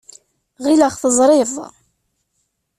Ɣileɣ teẓriḍ.